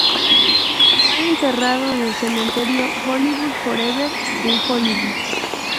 Fue enterrado en el Cementerio Hollywood Forever, en Hollywood.